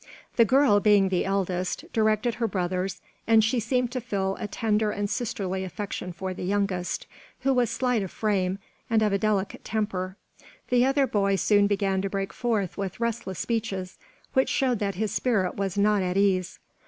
The girl, being the eldest, directed her brothers, and she seemed to feel a tender and sisterly affection for the youngest, who was slight of frame and of a delicate temper. The other boy soon began to break forth with restless speeches, which showed that his spirit was not at ease.